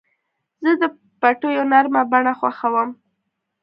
زه د پټیو نرمه بڼه خوښوم.